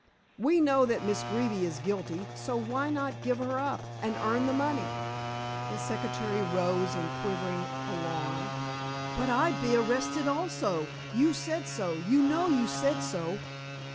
We know that Miss Greeby is guilty, so why not give her up and earn the money?" The secretary rose in quivering alarm. "But I'd be arrested also. You said so; you know you said so."